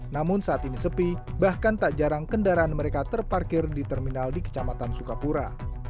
namun saat ini sepi bahkan tak jarang kendaraan mereka terparkir di terminal di kecamatan sukapura